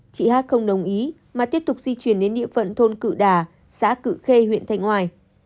chị hát không đồng ý mà tiếp tục di chuyển đến địa phận thôn cự đà xã cự khê huyện thanh hoài